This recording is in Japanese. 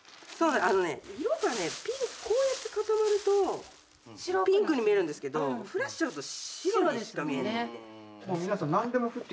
色がねこうやって固まるとピンクに見えるんですけど降らしちゃうと白にしか見えない。